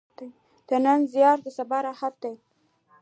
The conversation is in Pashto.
د نن زیار د سبا راحت ده.